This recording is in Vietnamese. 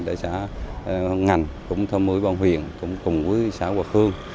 đã sẽ ngành cũng thâm mưu bằng huyền cũng cùng với xã hòa khương